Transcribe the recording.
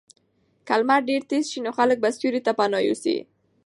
که لمر ډېر تېز شي نو خلک به سیوري ته پناه یوسي.